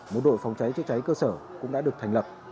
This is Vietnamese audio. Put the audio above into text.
một đội phòng cháy chữa cháy cơ sở cũng đã được thành lập